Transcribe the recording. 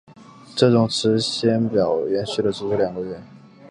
这种时间表延续了足足两个月。